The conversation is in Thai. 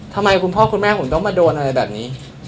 คุณพ่อคุณแม่ผมต้องมาโดนอะไรแบบนี้